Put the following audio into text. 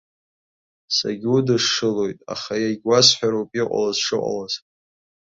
Сагьудашшылоит, аха иагьуасҳәароуп иҟалаз шыҟалаз.